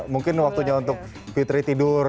mungkin waktunya untuk fitri tidur